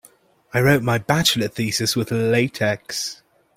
I wrote my bachelor thesis with latex.